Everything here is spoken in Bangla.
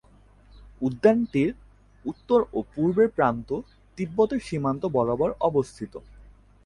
উদ্যানটির উত্তর এবং পূর্বের প্রান্ত তিব্বতের সীমান্ত বরাবর অবস্থিত।